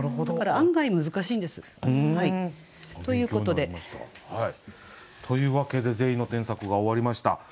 だから案外難しいんです。ということで。というわけで全員の添削が終わりました。